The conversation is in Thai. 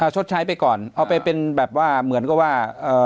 ชดใช้ไปก่อนเอาไปเป็นแบบว่าเหมือนกับว่า